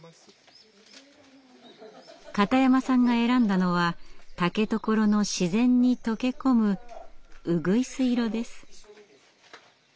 片山さんが選んだのは竹所の自然に溶け込む「ウグイス色」です。